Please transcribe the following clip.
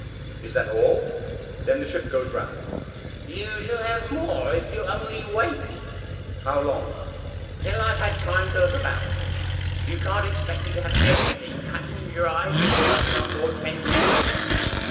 " Is that all ? Then the ship goes round." " You shall have more if you'll only wait." "How long?" " Till I've had time to look about me. You can't expect me to have everything cut and dried before I've been on board ten minutes.